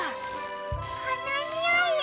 このにおいよ。